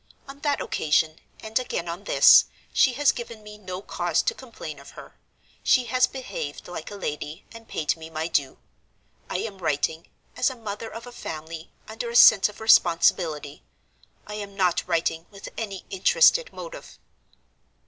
On that occasion, and again on this, she has given me no cause to complain of her. She has behaved like a lady, and paid me my due. I am writing, as a mother of a family, under a sense of responsibility—I am not writing with an interested motive.